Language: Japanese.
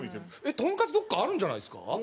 とんかつどこかあるんじゃないですか？